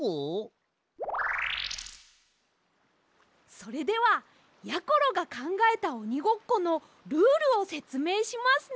それではやころがかんがえたおにごっこのルールをせつめいしますね。